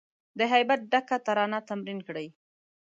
د هیبت ډکه ترانه تمرین کړی